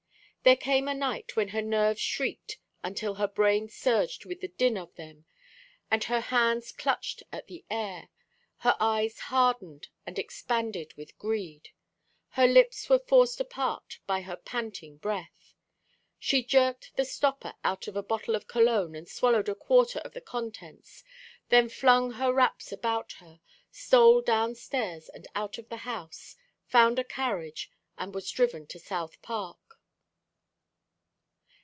There came a night when her nerves shrieked until her brain surged with the din of them, and her hands clutched at the air, her eyes hardened and expanded with greed, her lips were forced apart by her panting breath. She jerked the stopper out of a bottle of cologne and swallowed a quarter of the contents, then flung her wraps about her, stole downstairs and out of the house, found a carriage, and was driven to South Park.